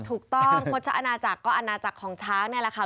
ถูกต้องโฆษอาณาจักรก็อาณาจักรของช้างนี่แหละค่ะ